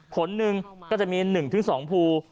ผลหนึ่งก็จะมี๑๒ภู